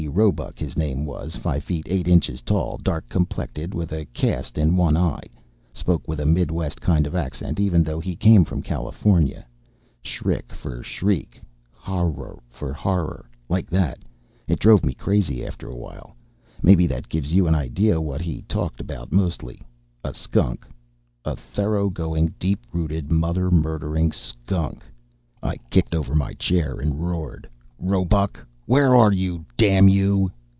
Roebuck, his name was. Five feet eight inches tall. Dark complected, with a cast in one eye. Spoke with a Midwest kind of accent, even though he came from California "shrick" for "shriek," "hawror" for "horror," like that. It drove me crazy after a while. Maybe that gives you an idea what he talked about mostly. A skunk. A thoroughgoing, deep rooted, mother murdering skunk. I kicked over my chair and roared, "Roebuck! Where are you, damn you?"